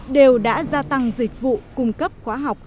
đều đã gia tăng dịch vụ cung cấp khóa học